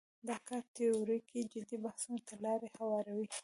دا کار تیوریکي جدي بحثونو ته لاره هواروي.